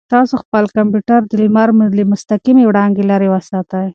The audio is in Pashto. تاسو خپل کمپیوټر د لمر له مستقیمې وړانګې لرې وساتئ.